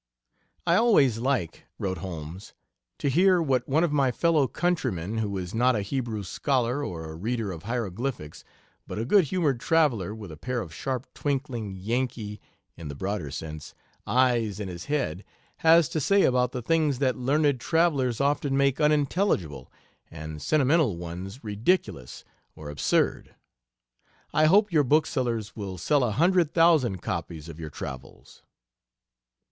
"I always like," wrote Holmes, "to hear what one of my fellow countrymen, who is not a Hebrew scholar, or a reader of hiero glyphics, but a good humored traveler with a pair of sharp, twinkling Yankee (in the broader sense) eyes in his head, has to say about the things that learned travelers often make unintelligible, and sentimental ones ridiculous or absurd.... I hope your booksellers will sell a hundred thousand copies of your travels."